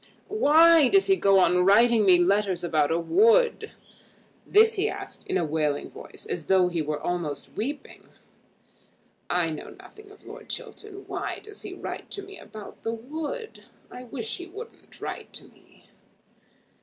"Why does he go on writing me letters about a wood?" This he asked in a wailing voice, as though he were almost weeping. "I know nothing of Lord Chiltern. Why does he write to me about the wood? I wish he wouldn't write to me."